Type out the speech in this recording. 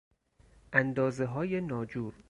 اندازههای ناجور